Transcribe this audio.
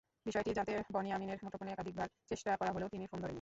বিষয়টি জানতে বনি আমিনের মুঠোফোনে একাধিকবার চেষ্টা করা হলেও তিনি ফোন ধরেননি।